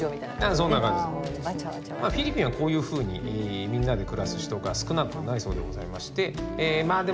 フィリピンはこういうふうにみんなで暮らす人が少なくないそうでございましてまあいざこざはあります。